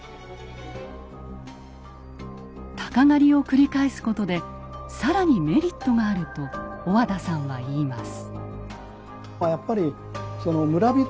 鷹狩を繰り返すことで更にメリットがあると小和田さんは言います。